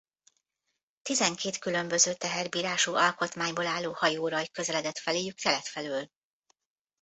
Tizenkét különböző teherbírású alkotmányból álló hajóraj közeledett feléjük kelet felől.